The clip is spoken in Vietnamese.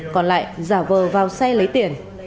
còn lại giả vờ vào xe lấy tiền